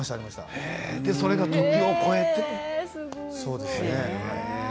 それが時を超えて。